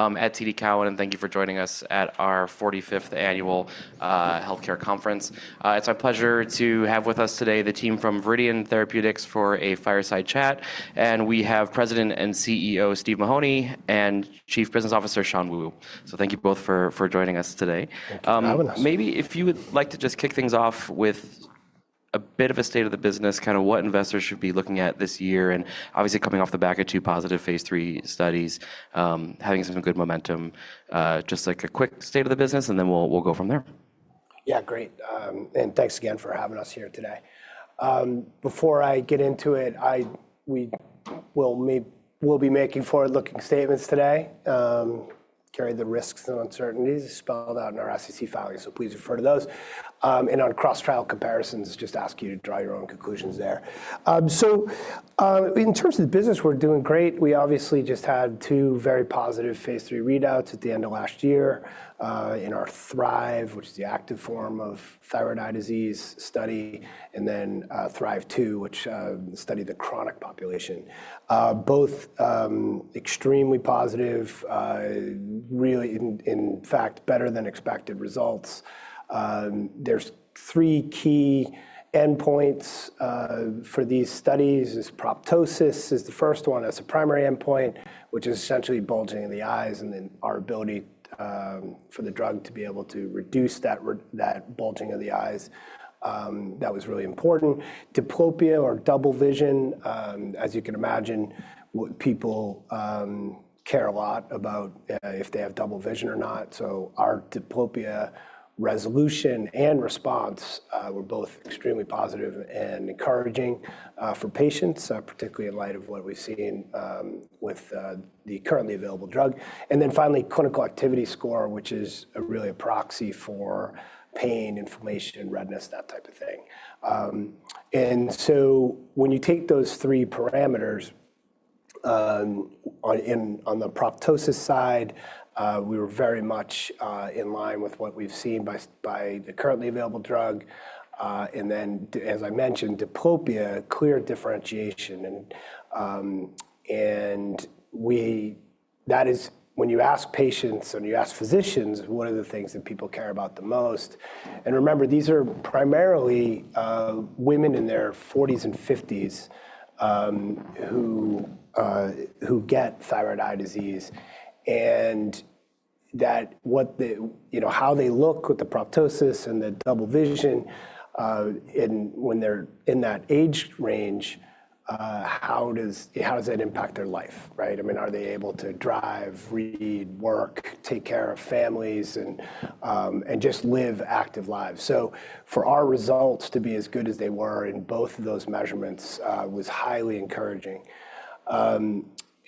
At TD Cowen, and thank you for joining us at our 45th annual healthcare conference. It's my pleasure to have with us today the team from Viridian Therapeutics for a fireside chat. We have President and CEO Steve Mahoney and Chief Business Officer Shan Wu. Thank you both for joining us today. Thanks for having us. Maybe if you would like to just kick things off with a bit of a state of the business, kind of what investors should be looking at this year, and obviously coming off the back of two positive phase 3 studies, having some good momentum, just like a quick state of the business, and then we'll go from there. Yeah, great. Thanks again for having us here today. Before I get into it, we will be making forward-looking statements today, carry the risks and uncertainties spelled out in our SEC filings, so please refer to those. On cross-trial comparisons, just ask you to draw your own conclusions there. In terms of the business, we're doing great. We obviously just had two very positive phase 3 readouts at the end of last year in our THRIVE, which is the active form of thyroid eye disease study, and then THRIVE II, which studied the chronic population. Both extremely positive, really, in fact, better than expected results. There are three key endpoints for these studies. Proptosis is the first one as a primary endpoint, which is essentially bulging of the eyes, and then our ability for the drug to be able to reduce that bulging of the eyes. That was really important. Diplopia or double vision, as you can imagine, people care a lot about if they have double vision or not. Our diplopia resolution and response were both extremely positive and encouraging for patients, particularly in light of what we've seen with the currently available drug. Finally, clinical activity score, which is really a proxy for pain, inflammation, redness, that type of thing. When you take those three parameters on the proptosis side, we were very much in line with what we've seen by the currently available drug. As I mentioned, diplopia, clear differentiation. That is when you ask patients and you ask physicians, what are the things that people care about the most? Remember, these are primarily women in their 40s and 50s who get thyroid eye disease. How they look with the proptosis and the double vision when they're in that age range, how does that impact their life? I mean, are they able to drive, read, work, take care of families, and just live active lives? For our results to be as good as they were in both of those measurements was highly encouraging.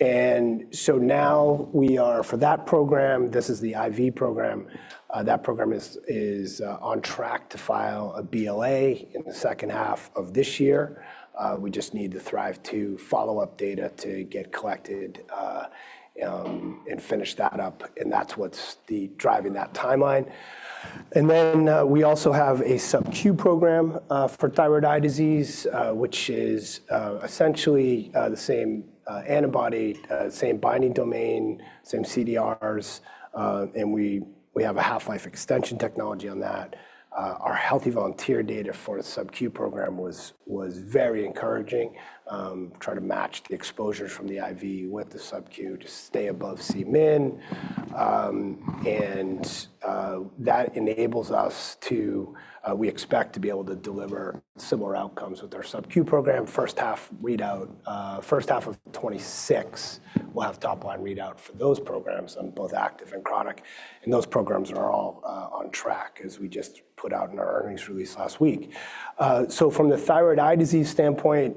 Now we are, for that program, this is the IV program. That program is on track to file a BLA in the second half of this year. We just need the THRIVE II follow-up data to get collected and finish that up. That's what's driving that timeline. We also have a subQ program for thyroid eye disease, which is essentially the same antibody, same binding domain, same CDRs. We have a half-life extension technology on that. Our healthy volunteer data for the subQ program was very encouraging. Try to match the exposures from the IV with the subQ to stay above CMIN. That enables us to, we expect to be able to deliver similar outcomes with our subQ program. First half of 2026, we'll have top-line readout for those programs on both active and chronic. Those programs are all on track, as we just put out in our earnings release last week. From the thyroid eye disease standpoint,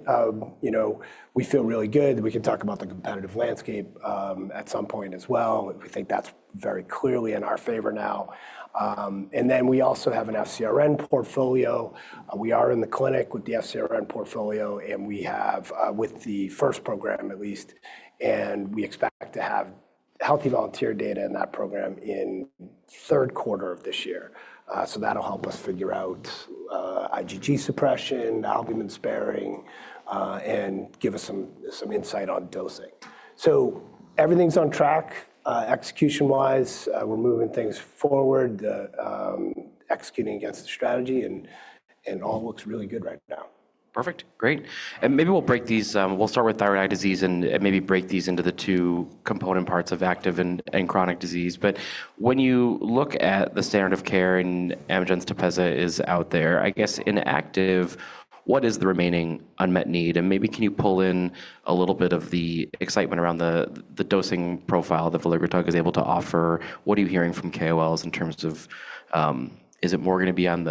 we feel really good. We can talk about the competitive landscape at some point as well. We think that's very clearly in our favor now. We also have an FCRN portfolio. We are in the clinic with the FcRn portfolio, and we have with the first program at least, and we expect to have healthy volunteer data in that program in the third quarter of this year. That'll help us figure out IgG suppression, albumin sparing, and give us some insight on dosing. Everything's on track execution-wise. We're moving things forward, executing against the strategy, and all looks really good right now. Perfect. Great. Maybe we'll start with thyroid eye disease and break these into the two component parts of active and chronic disease. When you look at the standard of care and Amgen's Tepezza is out there, I guess in active, what is the remaining unmet need? Maybe can you pull in a little bit of the excitement around the dosing profile that veligrotug is able to offer? What are you hearing from KOLs in terms of, is it more going to be on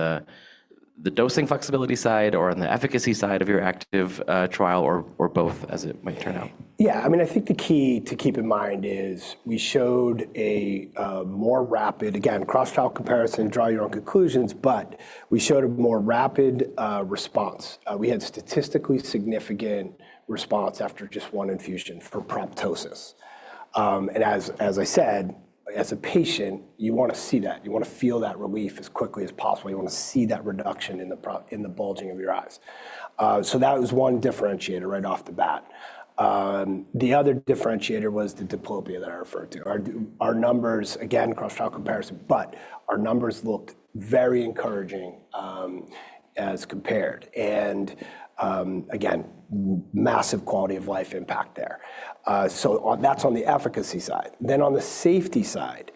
the dosing flexibility side or on the efficacy side of your active trial or both as it might turn out? Yeah, I mean, I think the key to keep in mind is we showed a more rapid, again, cross-trial comparison, draw your own conclusions, but we showed a more rapid response. We had statistically significant response after just one infusion for proptosis. As I said, as a patient, you want to see that. You want to feel that relief as quickly as possible. You want to see that reduction in the bulging of your eyes. That was one differentiator right off the bat. The other differentiator was the diplopia that I referred to. Our numbers, again, cross-trial comparison, but our numbers looked very encouraging as compared. Again, massive quality of life impact there. That is on the efficacy side. On the safety side,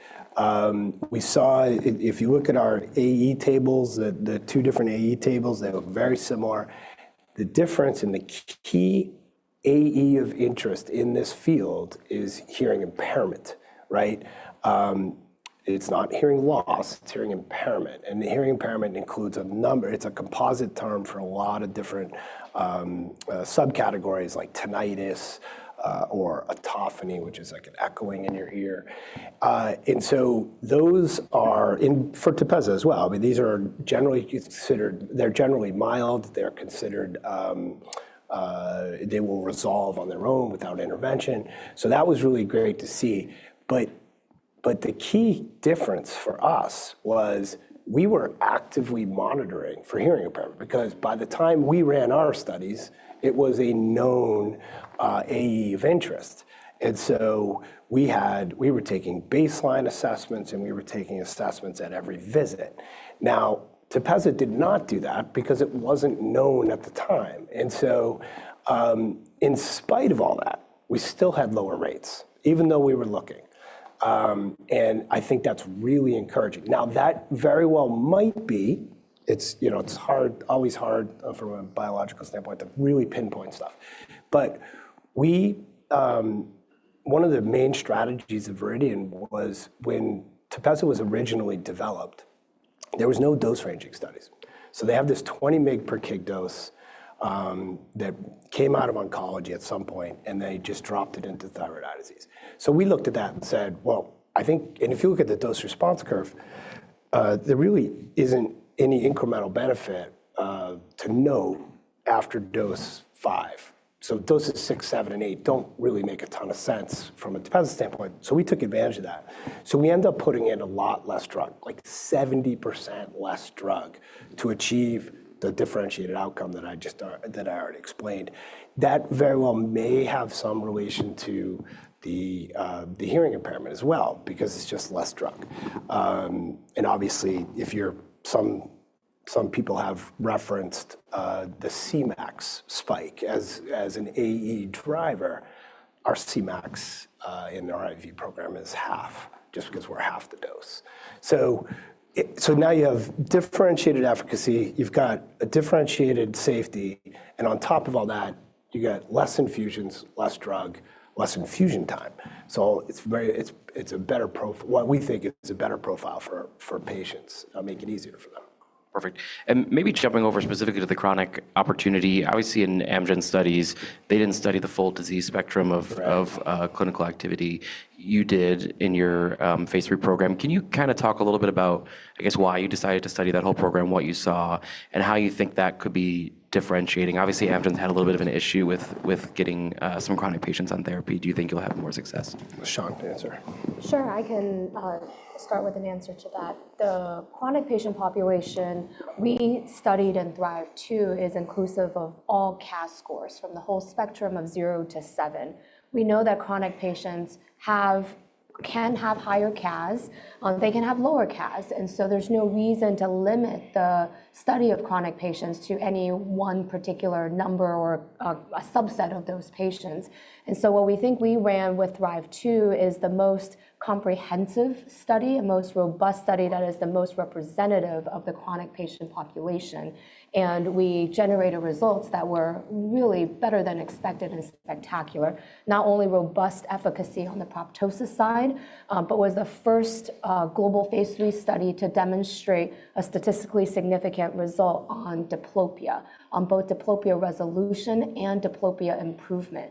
we saw, if you look at our AE tables, the two different AE tables, they look very similar. The difference in the key AE of interest in this field is hearing impairment. It's not hearing loss, it's hearing impairment. And the hearing impairment includes a number, it's a composite term for a lot of different subcategories like tinnitus or autophony, which is like an echoing in your ear. And so those are for Tepezza as well. I mean, these are generally considered, they're generally mild, they're considered, they will resolve on their own without intervention. That was really great to see. The key difference for us was we were actively monitoring for hearing impairment because by the time we ran our studies, it was a known AE of interest. We were taking baseline assessments and we were taking assessments at every visit. Now, Tepezza did not do that because it wasn't known at the time. In spite of all that, we still had lower rates, even though we were looking. I think that's really encouraging. That very well might be, it's always hard from a biological standpoint to really pinpoint stuff. One of the main strategies of Viridian was when Tepezza was originally developed, there were no dose ranging studies. They have this 20 mg per kg dose that came out of oncology at some point, and they just dropped it into thyroid eye disease. We looked at that and said, I think, and if you look at the dose response curve, there really isn't any incremental benefit to know after dose five. Doses six, seven, and eight do not really make a ton of sense from a Tepezza standpoint. We took advantage of that. We ended up putting in a lot less drug, like 70% less drug to achieve the differentiated outcome that I already explained. That very well may have some relation to the hearing impairment as well because it's just less drug. Obviously, if you're some people have referenced the CMAX spike as an AE driver, our CMAX in our IV program is half just because we're half the dose. Now you have differentiated efficacy, you've got a differentiated safety, and on top of all that, you get less infusions, less drug, less infusion time. It's a better profile, what we think is a better profile for patients, make it easier for them. Perfect. Maybe jumping over specifically to the chronic opportunity, obviously in Amgen studies, they did not study the full disease spectrum of clinical activity. You did in your phase three program. Can you kind of talk a little bit about, I guess, why you decided to study that whole program, what you saw, and how you think that could be differentiating? Obviously, Amgen had a little bit of an issue with getting some chronic patients on therapy. Do you think you'll have more success? Shan can answer. Sure, I can start with an answer to that. The chronic patient population we studied in THRIVE II is inclusive of all CAS scores from the whole spectrum of zero to seven. We know that chronic patients can have higher CAS, they can have lower CAS, and there is no reason to limit the study of chronic patients to any one particular number or a subset of those patients. What we think we ran with THRIVE II is the most comprehensive study, a most robust study that is the most representative of the chronic patient population. We generated results that were really better than expected and spectacular. Not only robust efficacy on the proptosis side, but it was the first global phase three study to demonstrate a statistically significant result on diplopia, on both diplopia resolution and diplopia improvement.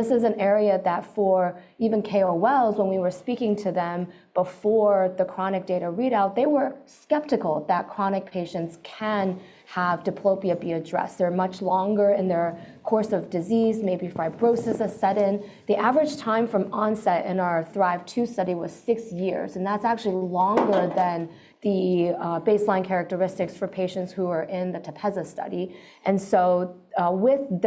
This is an area that for even KOLs, when we were speaking to them before the chronic data readout, they were skeptical that chronic patients can have diplopia be addressed. They're much longer in their course of disease, maybe fibrosis has set in. The average time from onset in our THRIVE II study was six years, and that's actually longer than the baseline characteristics for patients who are in the Tepezza study. With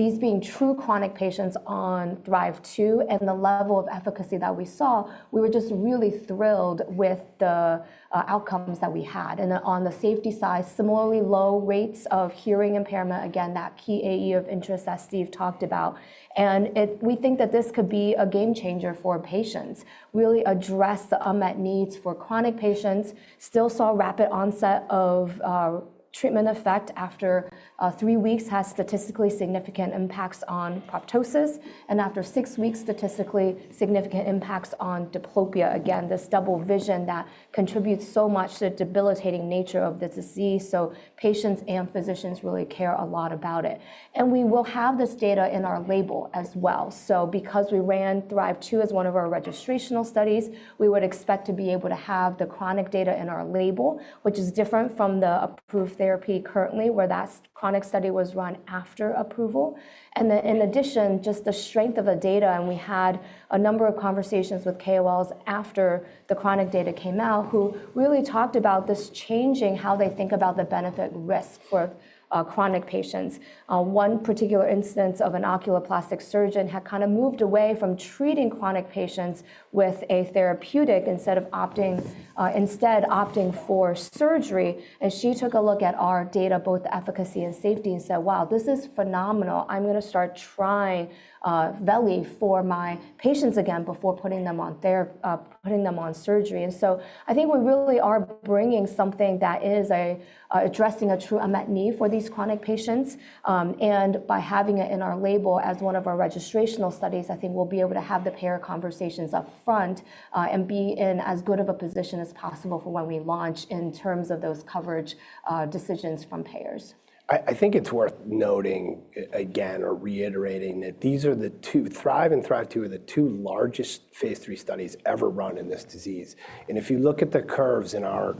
these being true chronic patients on THRIVE II and the level of efficacy that we saw, we were just really thrilled with the outcomes that we had. On the safety side, similarly low rates of hearing impairment, again, that key AE of interest that Steve talked about. We think that this could be a game changer for patients, really address the unmet needs for chronic patients, still saw rapid onset of treatment effect after three weeks, has statistically significant impacts on proptosis, and after six weeks, statistically significant impacts on diplopia. Again, this double vision that contributes so much to the debilitating nature of the disease. Patients and physicians really care a lot about it. We will have this data in our label as well. Because we ran THRIVE II as one of our registrational studies, we would expect to be able to have the chronic data in our label, which is different from the approved therapy currently where that chronic study was run after approval. In addition, just the strength of the data, and we had a number of conversations with KOLs after the chronic data came out who really talked about this changing how they think about the benefit risk for chronic patients. One particular instance of an oculoplastic surgeon had kind of moved away from treating chronic patients with a therapeutic instead of opting for surgery. She took a look at our data, both efficacy and safety, and said, wow, this is phenomenal. I'm going to start trying VELI for my patients again before putting them on surgery. I think we really are bringing something that is addressing a true unmet need for these chronic patients. By having it in our label as one of our registrational studies, I think we'll be able to have the payer conversations upfront and be in as good of a position as possible for when we launch in terms of those coverage decisions from payers. I think it's worth noting again or reiterating that these are the two, THRIVE and THRIVE II are the two largest phase three studies ever run in this disease. If you look at the curves in our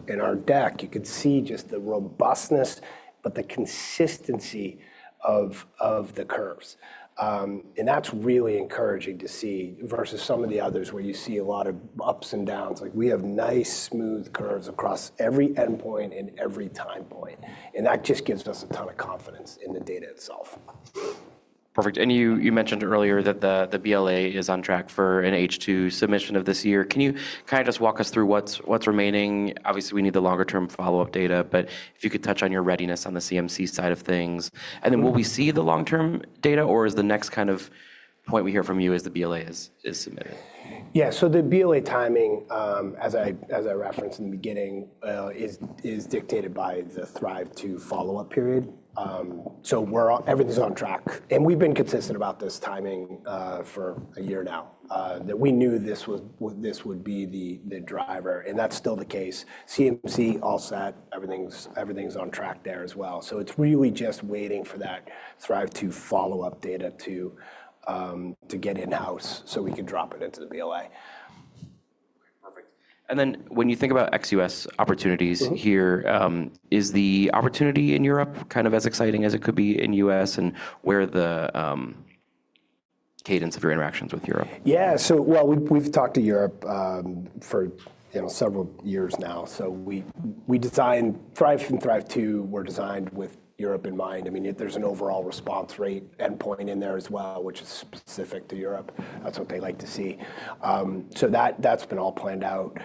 deck, you could see just the robustness, but the consistency of the curves. That's really encouraging to see versus some of the others where you see a lot of ups and downs. Like we have nice smooth curves across every endpoint and every time point. That just gives us a ton of confidence in the data itself. Perfect. You mentioned earlier that the BLA is on track for an H2 submission of this year. Can you kind of just walk us through what's remaining? Obviously, we need the longer-term follow-up data, but if you could touch on your readiness on the CMC side of things. Will we see the long-term data or is the next kind of point we hear from you that the BLA is submitted? Yeah, so the BLA timing, as I referenced in the beginning, is dictated by the THRIVE II follow-up period. Everything's on track. We've been consistent about this timing for a year now that we knew this would be the driver. That's still the case. CMC all set, everything's on track there as well. It's really just waiting for that THRIVE II follow-up data to get in-house so we can drop it into the BLA. Perfect. When you think about XUS opportunities here, is the opportunity in Europe kind of as exciting as it could be in the US? Where are the cadence of your interactions with Europe? Yeah, so we've talked to Europe for several years now. We designed THRIVE and THRIVE II with Europe in mind. I mean, there's an overall response rate endpoint in there as well, which is specific to Europe. That's what they like to see. That's been all planned out.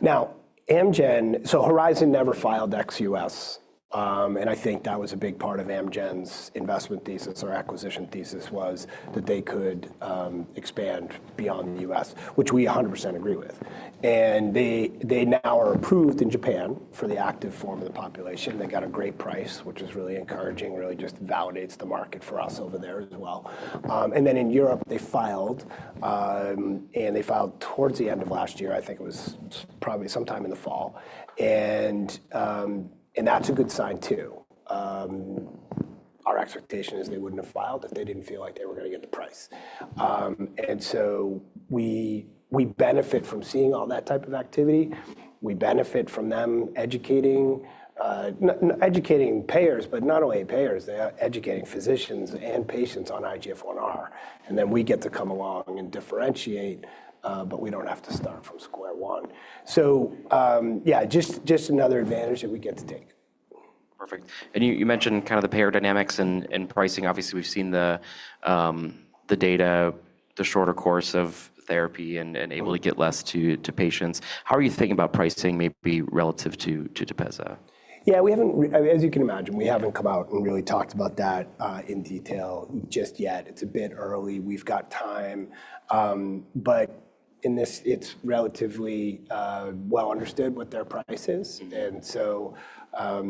Now, Amgen, so Horizon never filed XUS. I think that was a big part of Amgen's investment thesis or acquisition thesis was that they could expand beyond the US, which we 100% agree with. They now are approved in Japan for the active form of the population. They got a great price, which is really encouraging, really just validates the market for us over there as well. In Europe, they filed and they filed towards the end of last year, I think it was probably sometime in the fall. That's a good sign too. Our expectation is they wouldn't have filed if they didn't feel like they were going to get the price. We benefit from seeing all that type of activity. We benefit from them educating payers, but not only payers, they're educating physicians and patients on IGF-1R. We get to come along and differentiate, but we don't have to start from square one. Yeah, just another advantage that we get to take. Perfect. You mentioned kind of the payer dynamics and pricing. Obviously, we've seen the data, the shorter course of therapy and able to get less to patients. How are you thinking about pricing maybe relative to Tepezza? Yeah, as you can imagine, we haven't come out and really talked about that in detail just yet. It's a bit early. We've got time, but in this, it's relatively well understood what their price is. We are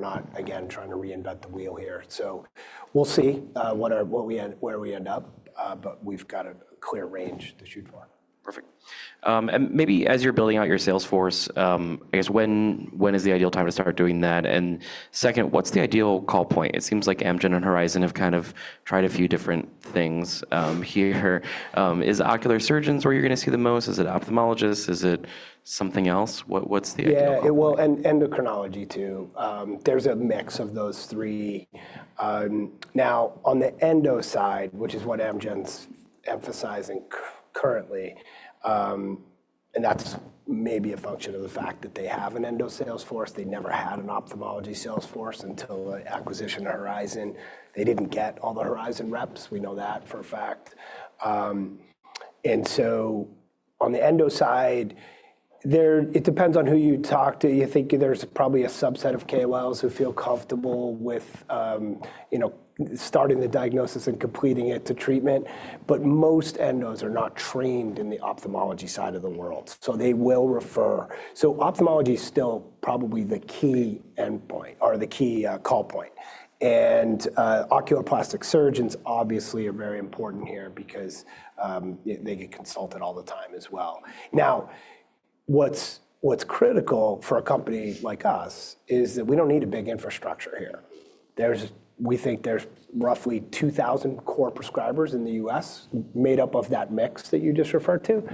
not, again, trying to reinvent the wheel here. We'll see where we end up, but we've got a clear range to shoot for. Perfect. Maybe as you're building out your sales force, I guess when is the ideal time to start doing that? Second, what's the ideal call point? It seems like Amgen and Horizon have kind of tried a few different things here. Is ocular surgeons where you're going to see the most? Is it ophthalmologists? Is it something else? What's the ideal call point? Yeah, well, and endocrinology too. There is a mix of those three. Now, on the endo side, which is what Amgen is emphasizing currently, and that is maybe a function of the fact that they have an endo sales force. They never had an ophthalmology sales force until acquisition Horizon. They did not get all the Horizon reps. We know that for a fact. On the endo side, it depends on who you talk to. You think there is probably a subset of KOLs who feel comfortable with starting the diagnosis and completing it to treatment, but most endos are not trained in the ophthalmology side of the world. They will refer. Ophthalmology is still probably the key endpoint or the key call point. Oculoplastic surgeons obviously are very important here because they get consulted all the time as well. Now, what's critical for a company like us is that we don't need a big infrastructure here. We think there's roughly 2,000 core prescribers in the U.S. made up of that mix that you just referred to.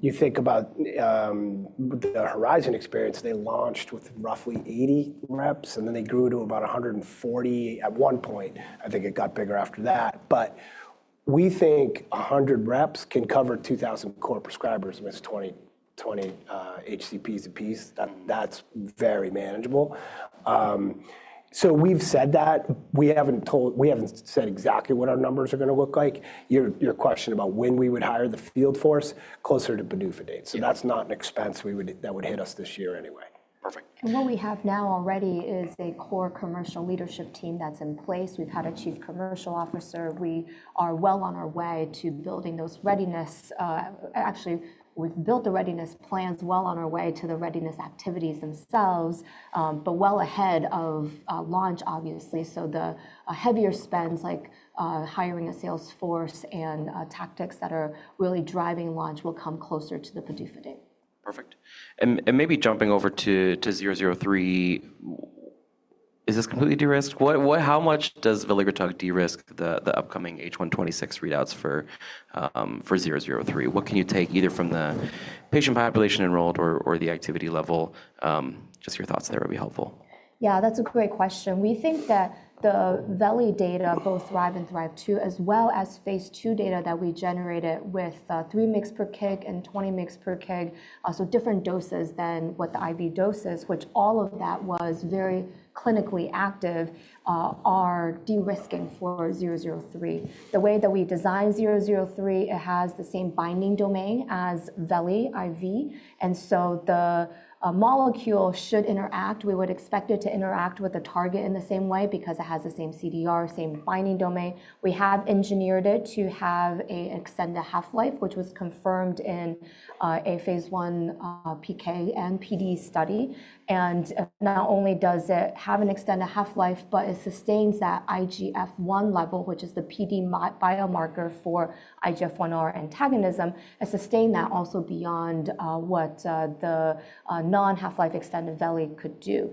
You think about the Horizon experience, they launched with roughly 80 reps, and then they grew to about 140 at one point. I think it got bigger after that. We think 100 reps can cover 2,000 core prescribers with 20 HCPs and Ps. That's very manageable. We have said that. We haven't said exactly what our numbers are going to look like. Your question about when we would hire the field force closer to bonufidate. That's not an expense that would hit us this year anyway. Perfect. What we have now already is a core commercial leadership team that's in place. We've had a Chief Commercial Officer. We are well on our way to building those readiness. Actually, we've built the readiness plans, well on our way to the readiness activities themselves, but well ahead of launch, obviously. The heavier spends, like hiring a sales force and tactics that are really driving launch, will come closer to the bona fide date. Perfect. Maybe jumping over to 003, is this completely de-risked? How much does veligrotug de-risk the upcoming H126 readouts for 003? What can you take either from the patient population enrolled or the activity level? Just your thoughts there would be helpful. Yeah, that's a great question. We think that the VELI data, both THRIVE and THRIVE II, as well as phase two data that we generated with 3 mg per kg and 20 mg per kg, so different doses than what the IV doses, which all of that was very clinically active, are de-risking for 003. The way that we design 003, it has the same binding domain as VELI IV. And so the molecule should interact. We would expect it to interact with the target in the same way because it has the same CDR, same binding domain. We have engineered it to have an extended half-life, which was confirmed in a phase one PK and PD study. Not only does it have an extended half-life, but it sustains that IGF1 level, which is the PD biomarker for IGF1R antagonism, and sustains that also beyond what the non-half-life extended VELI could do.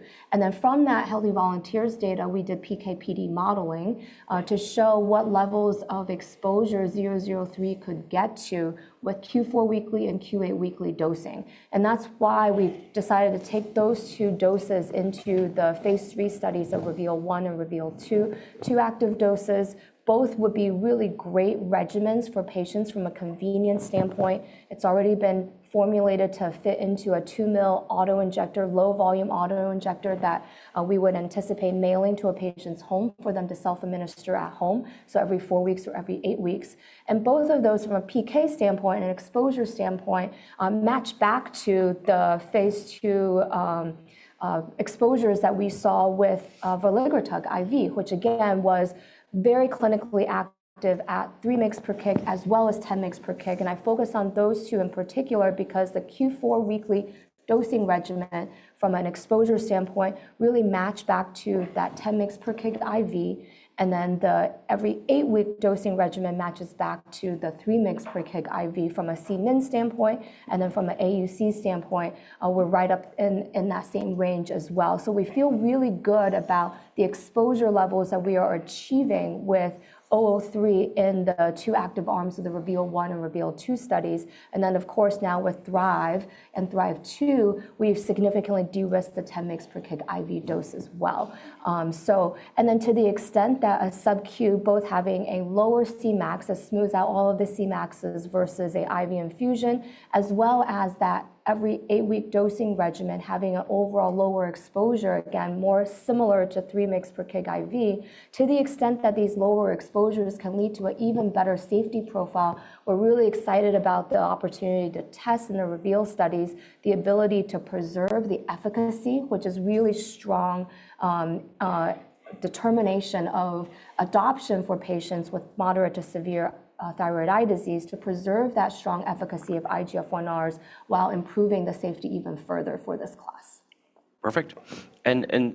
From that healthy volunteers data, we did PK/PD modeling to show what levels of exposure 003 could get to with Q4 weekly and Q8 weekly dosing. That is why we've decided to take those two doses into the phase three studies of Reveal One and Reveal Two, two active doses. Both would be really great regimens for patients from a convenience standpoint. It has already been formulated to fit into a two-mill auto injector, low volume auto injector that we would anticipate mailing to a patient's home for them to self-administer at home. Every four weeks or every eight weeks. Both of those from a PK standpoint and exposure standpoint match back to the phase two exposures that we saw with veligrotug IV, which again was very clinically active at 3 mg per kg as well as 10 mg per kg. I focus on those two in particular because the Q4 weekly dosing regimen from an exposure standpoint really matched back to that 10 mg per kg IV. The every eight-week dosing regimen matches back to the 3 mg per kg IV from a CMIN standpoint. From an AUC standpoint, we are right up in that same range as well. We feel really good about the exposure levels that we are achieving with 003 in the two active arms of the Reveal One and Reveal Two studies. Of course, now with THRIVE and THRIVE II, we've significantly de-risked the 10 mg per kg IV dose as well. To the extent that a subQ, both having a lower Cmax, that smooths out all of the Cmaxes versus an IV infusion, as well as that every eight-week dosing regimen having an overall lower exposure, again, more similar to 3 mg per kg IV, to the extent that these lower exposures can lead to an even better safety profile, we're really excited about the opportunity to test in the Reveal studies, the ability to preserve the efficacy, which is really strong determination of adoption for patients with moderate to severe thyroid eye disease to preserve that strong efficacy of IGF-1Rs while improving the safety even further for this class. Perfect.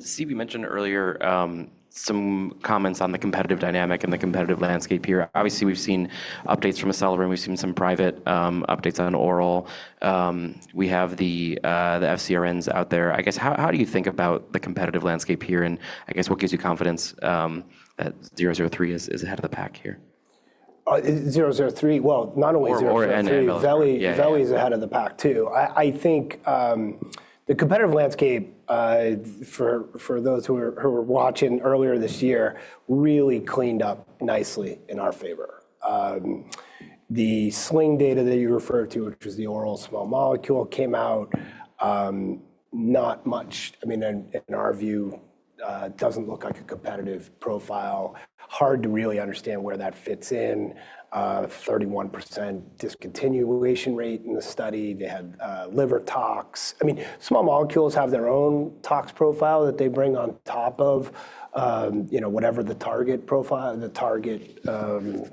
Steve, you mentioned earlier some comments on the competitive dynamic and the competitive landscape here. Obviously, we've seen updates from Acceleron. We've seen some private updates on oral. We have the FCRNs out there. I guess how do you think about the competitive landscape here? I guess what gives you confidence that 003 is ahead of the pack here? 003, not only 003, VELI is ahead of the pack too. I think the competitive landscape for those who were watching earlier this year really cleaned up nicely in our favor. The Sling data that you referred to, which was the oral small molecule, came out not much. I mean, in our view, it doesn't look like a competitive profile. Hard to really understand where that fits in. 31% discontinuation rate in the study. They had liver tox. I mean, small molecules have their own tox profile that they bring on top of whatever the target profile, the target for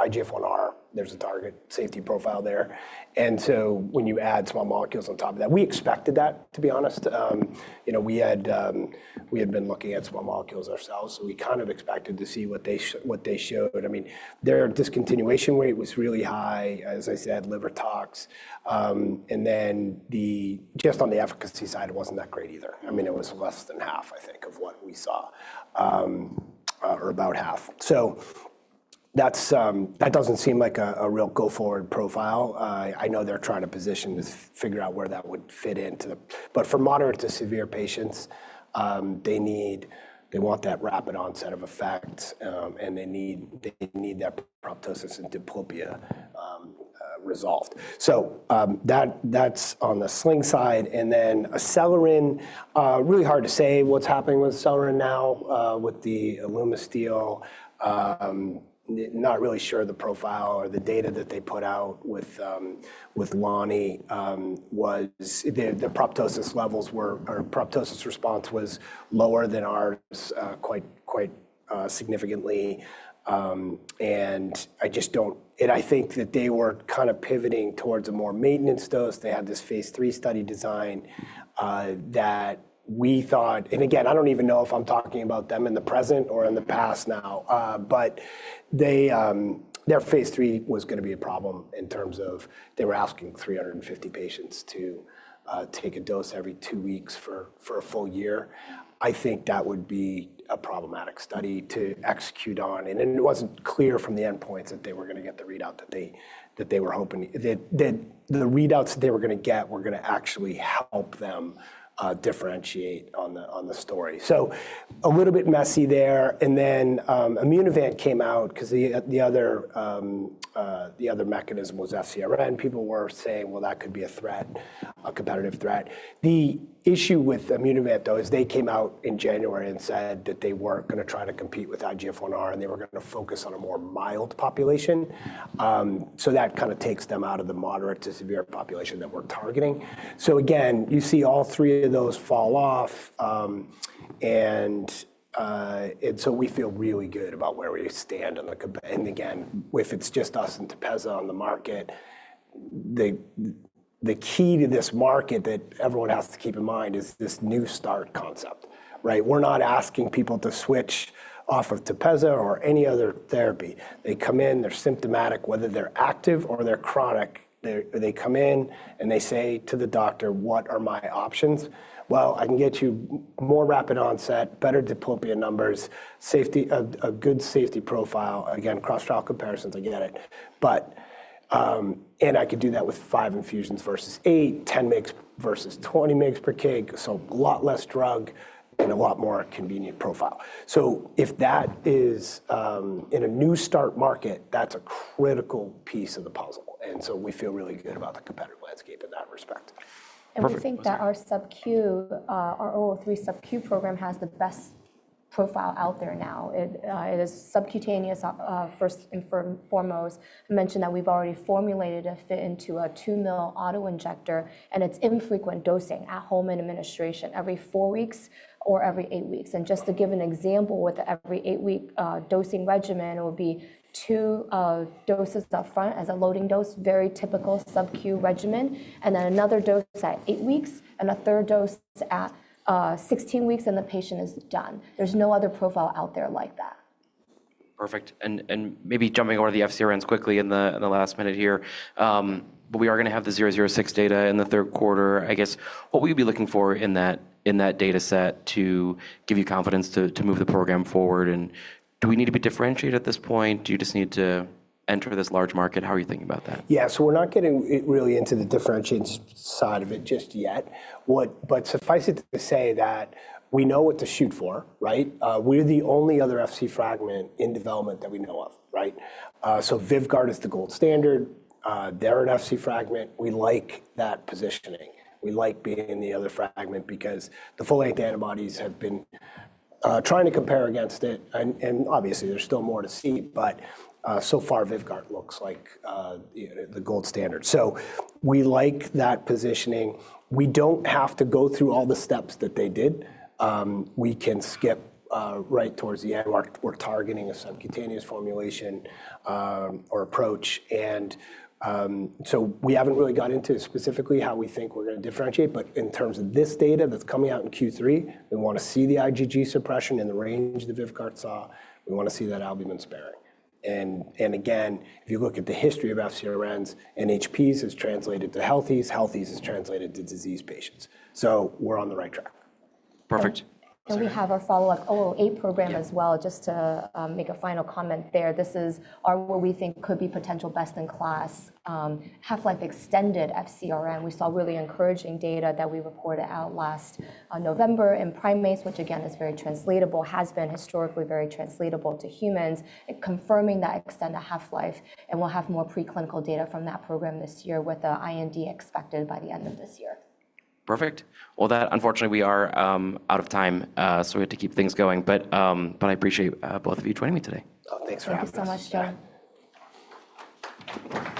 IGF-1R, there's a target safety profile there. When you add small molecules on top of that, we expected that, to be honest. We had been looking at small molecules ourselves, so we kind of expected to see what they showed. I mean, their discontinuation rate was really high, as I said, liver tox. And then just on the efficacy side, it wasn't that great either. I mean, it was less than half, I think, of what we saw or about half. That doesn't seem like a real go-forward profile. I know they're trying to position to figure out where that would fit into. For moderate to severe patients, they want that rapid onset of effect, and they need that proptosis and diplopia resolved. That is on the Sling side. Acceleron, really hard to say what's happening with Acceleron now with the Alumisteel. Not really sure the profile or the data that they put out with Loni was the proptosis levels or proptosis response was lower than ours quite significantly. I just don't, I think that they were kind of pivoting towards a more maintenance dose. They had this phase three study design that we thought, and again, I don't even know if I'm talking about them in the present or in the past now, but their phase three was going to be a problem in terms of they were asking 350 patients to take a dose every two weeks for a full year. I think that would be a problematic study to execute on. It wasn't clear from the endpoints that they were going to get the readout that they were hoping, that the readouts that they were going to get were going to actually help them differentiate on the story. A little bit messy there. Immunovant came out because the other mechanism was FcRn. People were saying, well, that could be a threat, a competitive threat. The issue with Immunovant, though, is they came out in January and said that they were not going to try to compete with IGF-1R, and they were going to focus on a more mild population. That kind of takes them out of the moderate to severe population that we are targeting. You see all three of those fall off. We feel really good about where we stand on the companion. If it is just us and Tepezza on the market, the key to this market that everyone has to keep in mind is this new start concept. We are not asking people to switch off of Tepezza or any other therapy. They come in, they are symptomatic, whether they are active or they are chronic. They come in and they say to the doctor, what are my options? I can get you more rapid onset, better diplopia numbers, a good safety profile. Again, cross-trial comparisons, I get it. I could do that with five infusions versus eight, 10 mg versus 20 mg per kg. A lot less drug and a lot more convenient profile. If that is in a new start market, that's a critical piece of the puzzle. We feel really good about the competitive landscape in that respect. We think that our subQ, our 003 subQ program has the best profile out there now. It is subcutaneous first and foremost. I mentioned that we've already formulated it into a two-mill auto injector, and it's infrequent dosing at home and administration every four weeks or every eight weeks. Just to give an example, with every eight-week dosing regimen, it would be two doses upfront as a loading dose, very typical subQ regimen, and then another dose at eight weeks and a third dose at 16 weeks, and the patient is done. There's no other profile out there like that. Perfect. Maybe jumping over the FCRNs quickly in the last minute here, but we are going to have the 006 data in the third quarter. I guess what would you be looking for in that data set to give you confidence to move the program forward? Do we need to be differentiated at this point? Do you just need to enter this large market? How are you thinking about that? Yeah, so we're not getting really into the differentiated side of it just yet. Suffice it to say that we know what to shoot for. We're the only other Fc fragment in development that we know of. Vivguard is the gold standard. They're an Fc fragment. We like that positioning. We like being in the other fragment because the folate antibodies have been trying to compare against it. Obviously, there's still more to see, but so far, Vivguard looks like the gold standard. We like that positioning. We don't have to go through all the steps that they did. We can skip right towards the end. We're targeting a subcutaneous formulation or approach. We have not really got into specifically how we think we are going to differentiate, but in terms of this data that is coming out in Q3, we want to see the IgG suppression in the range that Vygart saw. We want to see that albumin sparing. Again, if you look at the history of FcRNs, NHPs has translated to healthies, healthies has translated to disease patients. We are on the right track. Perfect. We have our follow-up 008 program as well, just to make a final comment there. This is where we think could be potential best in class half-life extended FcRn. We saw really encouraging data that we reported out last November in primates, which again, is very translatable, has been historically very translatable to humans. Confirming that extended half-life, and we'll have more preclinical data from that program this year with the IND expected by the end of this year. Perfect. Unfortunately, we are out of time, so we have to keep things going. I appreciate both of you joining me today. Thanks for having us. Thank you so much, Joe.